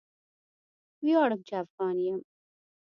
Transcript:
ویاړم چې افغان یم.